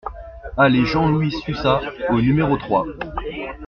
Allée Jean-Louis Sussat au numéro trois